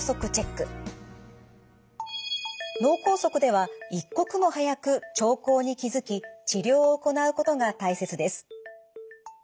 脳梗塞では一刻も早く兆候に気付き治療を行うことが大切です。